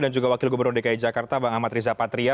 dan juga wakil gubernur dki jakarta bang ahmad riza patria